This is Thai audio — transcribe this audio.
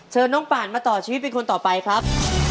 เชิญน้องป่านมาต่อชีวิตเป็นคนต่อไปครับ